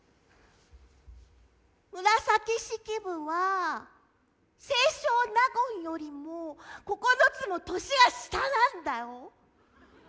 紫式部はぁ清少納言よりもぉ９つも年が下なんだお。